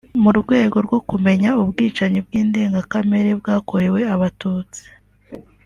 mu rwego rwo kumenya ubwicanyi bw’indengakamere bwakorewe Abatutsi